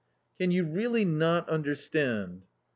" Can you really not understand